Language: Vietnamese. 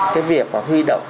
cái việc mà huy động